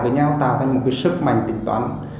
với nhau tạo thành một sức mạnh tính toán